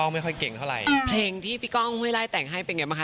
ไม่ค่อยเก่งเท่าไหร่เพลงที่พี่ก้องห้วยไล่แต่งให้เป็นไงบ้างค